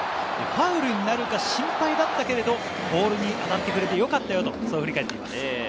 ファウルになるか心配だったけれど、ボールに当たってくれてよかったよと振り返っています。